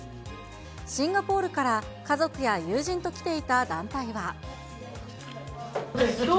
シンガポールから家族や友人と来ていた団体は。